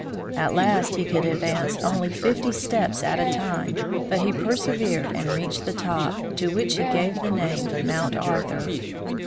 At last he could advance only fifty steps at a time, but he persevered and reached the top, to which he gave the name Mount Arthur.